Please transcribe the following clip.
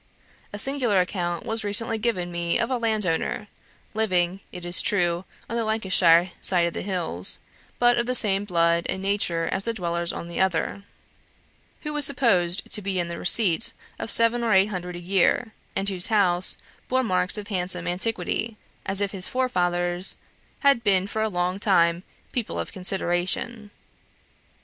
A singular account was recently given me of a landowner (living, it is true, on the Lancashire side of the hills, but of the same blood and nature as the dwellers on the other,) who was supposed to be in the receipt of seven or eight hundred a year, and whose house bore marks of handsome antiquity, as if his forefathers had been for a long time people of consideration.